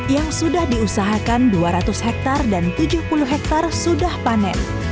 yang sudah diusahakan dua ratus hektare dan tujuh puluh hektare sudah panen